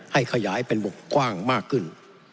ให้ขยายเป็นบุกกว้างมากขึ้น